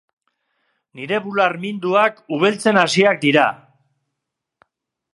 Nire bular minduak ubeltzen hasiak dira.